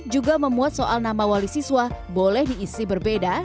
juga memuat soal nama wali siswa boleh diisi berbeda